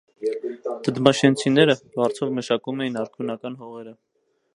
Դդմաշենցիները վարձով մշակում էին արքունական հողերը։